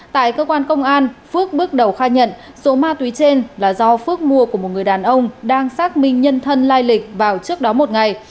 tại cơ quan công an phước bước đầu khai nhận số ma túy trên là do phước mua của một người đàn ông đang xác minh nhân thân lai lịch vào trước đó một ngày